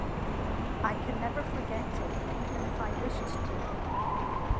I can never forget it, even if I wished to.